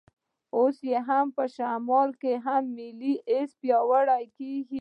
خو اوس په شمال کې هم ملي حس پیاوړی کېږي.